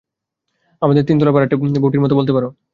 আমাদের তিনতলার ভাড়াটের বৌটির মতো বলতে পার।